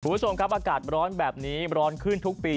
คุณผู้ชมครับอากาศร้อนแบบนี้ร้อนขึ้นทุกปี